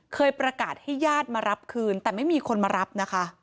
เคยประกาศให้ญาติมารับคืนแต่ไม่มีคนมารับนะคะ